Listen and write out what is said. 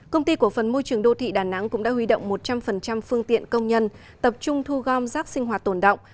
công ty cổ phần môi trường đô thị đà nẵng cũng đã huy động một trăm linh phương tiện công nhân tập trung thu gom rác sinh hoạt tổn động